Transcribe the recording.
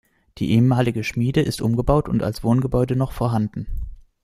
Die ehemalige Schmiede ist umgebaut und als Wohngebäude noch vorhanden.